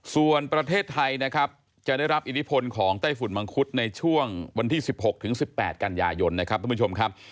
ส่วนประเทศไทยนะครับจะได้รับอิทธิพลของไต้ฝุ่นมังคุดในช่วงวันที่๑๖๑๘กันยายนนะครับทุกผู้ชมครับ